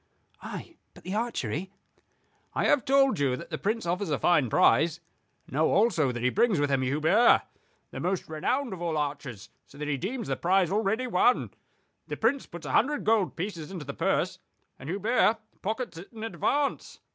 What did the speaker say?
"Ay; but the archery?" "I have told you that the Prince offers a fine prize. Know also that he brings with him Hubert, the most renowned of all archers: so that he deems the prize already won. The Prince puts a hundred gold pieces into the purse, and Hubert pockets it in advance."